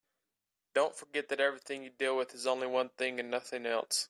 Don't forget that everything you deal with is only one thing and nothing else.